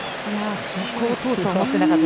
そこを通すとは思ってなかった。